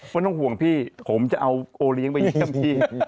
ไม่ต้องห่วงพี่ผมจะเอาโอเลี้ยงไปเยี่ยมพี่